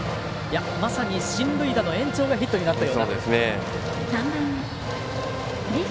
まさに進塁打の延長がヒットになったような。